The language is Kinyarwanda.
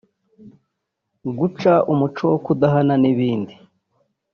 guca umuco wo kudahana n’ibindi